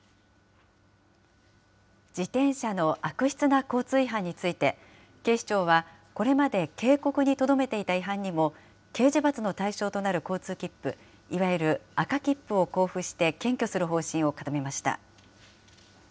自転車の悪質な交通違反について、警視庁は、これまで警告にとどめていた違反にも、刑事罰の対象となる交通切符、いわゆる赤切符を交付して検挙する方針を固めました。